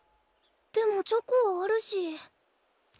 でもチョコはあるし。